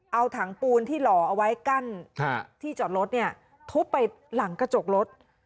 เอาถังปูนที่หล่อเอาไว้กั้นที่จอดรถเนี่ยทุบไปหลังกระจกรถ